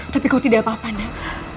tapi kau tidak apa apa enggak